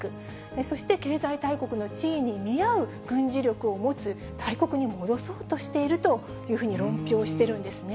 そして経済大国の地位に見合う軍事力を持つ大国に戻そうとしているというふうに論評しているんですね。